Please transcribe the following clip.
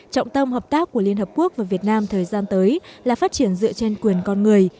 trọng tâm hợp tác của liên hợp quốc và việt nam thời gian tới là phát triển dựa trên quyền con người